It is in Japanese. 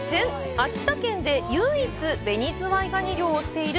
秋田県で唯一紅ズワイガニ漁をしている